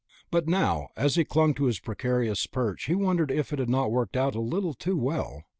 But now, as he clung to his precarious perch, he wondered if it had not worked out a little too well.